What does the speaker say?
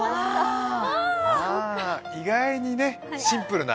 意外にシンプルな。